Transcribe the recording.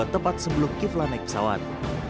tepat sebelum kiflan naik pesawat